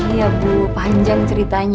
ibu aja punya mantu seperti ini